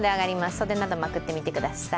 袖などまくってみてください。